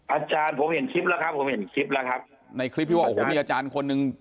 อาจารย์ผมเห็นคลิปแล้วครับผมเห็นคลิปแล้วครับในคลิปที่ว่าโอ้โหมีอาจารย์คนหนึ่ง